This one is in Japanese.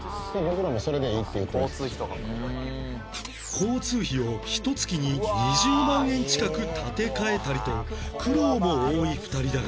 交通費をひと月に２０万円近く立て替えたりと苦労も多い２人だが